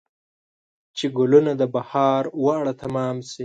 چې ګلونه د بهار واړه تمام شي